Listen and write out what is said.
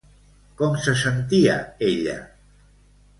Com se sentia ella?